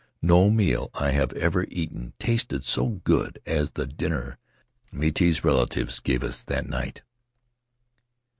No meal I have ever eaten tasted so good as the dinner Miti's relatives gave us that night!